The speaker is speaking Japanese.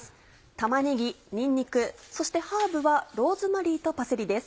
玉ねぎにんにくそしてハーブはローズマリーとパセリです。